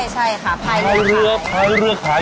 ใช่ค่ะพายเรือขาย